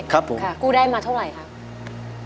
ครับผมค่ะกู้ได้มาเท่าไหร่ครับ